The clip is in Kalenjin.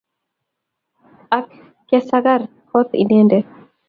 Ak kesagar kot Inendet.